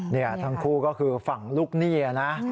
นี่ทั้งคู่ก็คือฝั่งลูกหนี้นะ